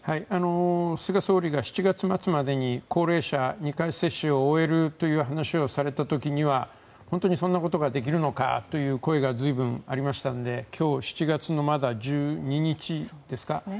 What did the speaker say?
菅総理が７月末までに高齢者２回接種を終えるという話をされた時には、本当にそんなことができるのかという声が随分ありましたんで今日、７月のまだ１２日ですか。